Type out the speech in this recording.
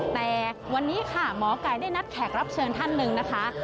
แต่วันนี้ค่ะหมอไก่ได้นัดแขกรับเชิญท่านหนึ่งนะคะ